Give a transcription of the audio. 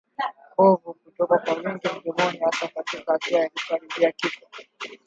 Povu kutoka kwa wingi mdomoni hasa katika hatua ya kukaribia kifo